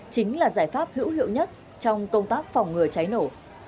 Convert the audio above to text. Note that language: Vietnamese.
chính là giải pháp hữu hiệu nhất trong công tác phòng ngừa cháy nổ